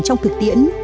trong thực tiễn